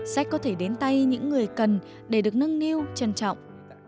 sách có thể đến tay những người cần để được nâng niu trân trọng